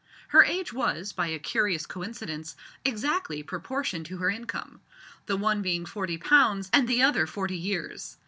Her age was, by a curious coincidence, exactly proportioned to her income the one being forty pounds, and the other forty years.